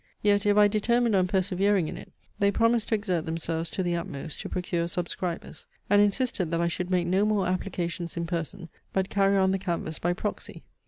Yet, if I determined on persevering in it, they promised to exert themselves to the utmost to procure subscribers, and insisted that I should make no more applications in person, but carry on the canvass by proxy.